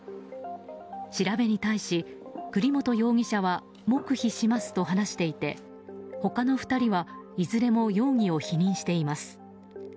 調べに対し、栗本容疑者は黙秘しますと話していて他の２人はいずれも容疑を否認しています。